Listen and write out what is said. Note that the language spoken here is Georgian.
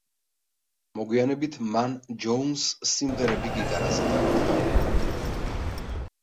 მოგვიანებით მან ჯოუნსს სიმღერები გიტარაზე თავად დაუკრა.